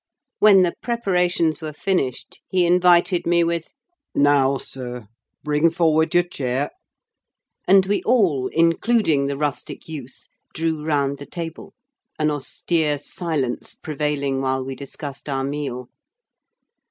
When the preparations were finished, he invited me with—"Now, sir, bring forward your chair." And we all, including the rustic youth, drew round the table: an austere silence prevailing while we discussed our meal.